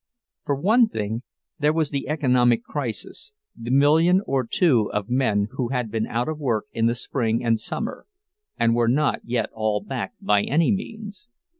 For one thing, there was the economic crisis, the million or two of men who had been out of work in the spring and summer, and were not yet all back, by any means.